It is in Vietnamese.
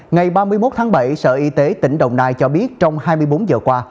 ngày ba mươi một tháng bảy sở y tế tỉnh đồng nai cho biết trong hai mươi bốn giờ qua